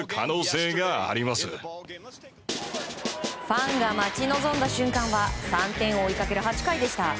ファンが待ち望んだ瞬間は３点を追いかける８回でした。